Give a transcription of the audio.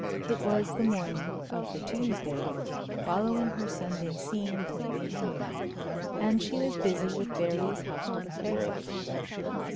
It was the morning of the Tuesday following her Sunday scene with Lady Henry, and she was busy with various household affairs.